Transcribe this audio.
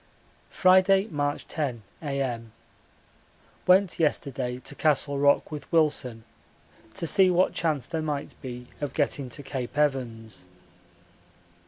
Friday, March 10, A.M. Went yesterday to Castle Rock with Wilson to see what chance there might be of getting to Cape Evans.